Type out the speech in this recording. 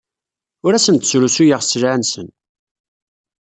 Ur asen-d-srusuyeɣ sselɛa-nsen.